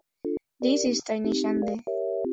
Dies ist eine Schande!